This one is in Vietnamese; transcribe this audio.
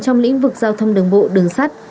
trong lĩnh vực giao thông đường bộ đường sắt